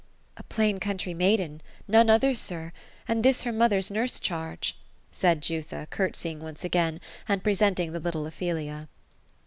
.^' A plain country •maiden, none other, sir ; and this her mother's nurse charge ;" said Jutha, curtseying once again, and presenting the little Ophelia.